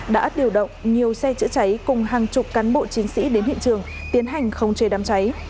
đã điều động nhiều xe chữa cháy cùng hàng chục cán bộ chiến sĩ đến hiện trường tiến hành không chế đám cháy